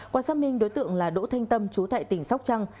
qua xác minh đối tượng là đỗ thanh tâm chú tại tỉnh sóc trăng